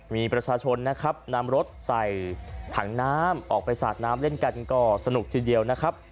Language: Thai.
มีประชาชนนะครับนำรถใส่ถังน้ำออกไปสาดน้ำเล่นกันก็สนุกทีเดียวนะครับ